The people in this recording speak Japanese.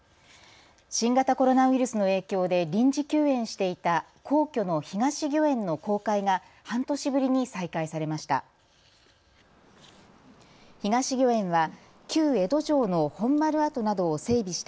新型コロナウイルスの影響で臨時休園していた皇居の東御苑の公開が半年ぶりに再開されました。